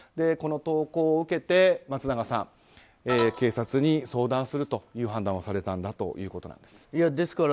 この投稿を受けて松永さん、警察に相談するという判断をされたんだということなんです。